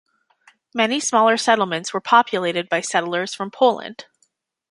Many smaller settlements were populated by settlers from Poland.